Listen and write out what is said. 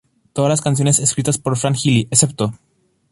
Todas las canciones escritas por Fran Healy excepto